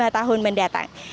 lima tahun mendatang